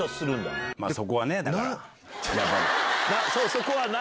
そこは何？